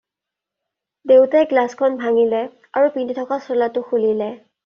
দেউতাই গ্লাছখন ভাঙিলে আৰু পিন্ধি থকা চোলাটো খুলিলে।